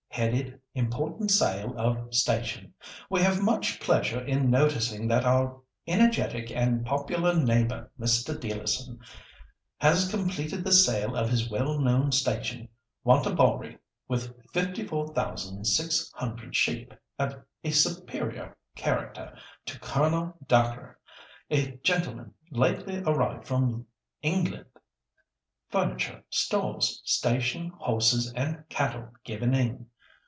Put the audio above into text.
headed 'Important Sale of Station.—We have much pleasure in noticing that our energetic and popular neighbour, Mr. Dealerson, has completed the sale of his well known station, Wantabalree, with fifty four thousand six hundred sheep of a superior character, to Colonel Dacre, a gentleman lately arrived from England. Furniture, stores, station, horses and cattle given in.